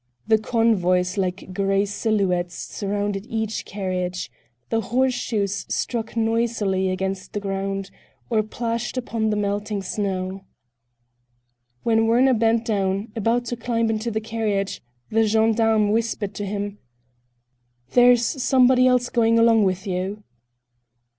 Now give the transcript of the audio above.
The convoys like gray silhouettes surrounded each carriage; the horseshoes struck noisily against the ground, or plashed upon the melting snow. When Werner bent down, about to climb into the carriage, the gendarme whispered to him: "There is somebody else going along with you."